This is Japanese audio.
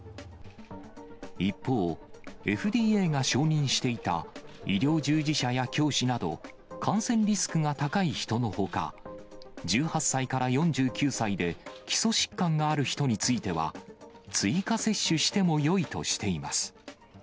一方、ＦＤＡが承認していた、医療従事者や教師など、感染リスクが高い人のほか、１８歳から４９歳で基礎疾患がある人については、追加接種してもよいとしています。